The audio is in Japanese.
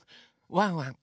ワンワン